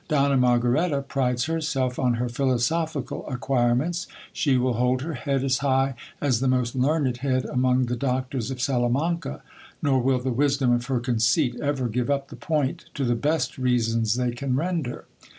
Donna Margaretta prides herself on her philo sophical acquirements ; she will hold her head as high as the most learned head among the doctors of Salamanca, nor will the wisdom of her conceit ever give up the point to the best reasons they can render.